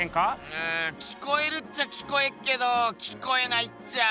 うん聞こえるっちゃ聞こえっけど聞こえないっちゃ。